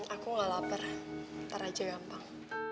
aku gak lapar ntar aja gampang